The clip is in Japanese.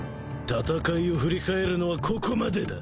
戦いを振り返るのはここまでだ。